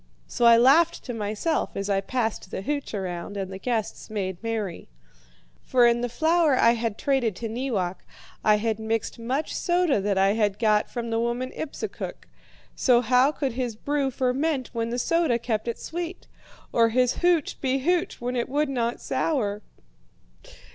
"So I laughed to myself as I passed the hooch around and the guests made merry. For in the flour I had traded to Neewak I had mixed much soda that I had got from the woman Ipsukuk. So how could his brew ferment when the soda kept it sweet? Or his hooch be hooch when it would not sour?